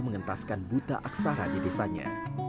mengentaskan buta aksara di desanya